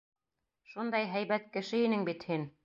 Шундай һәйбәт кеше инең бит һин!